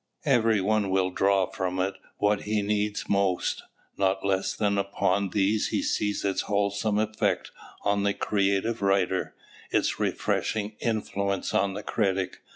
Every one will draw from it what he most needs. Not less than upon these he sees its wholesome effect on the creative writer, its refreshing influence on the critic.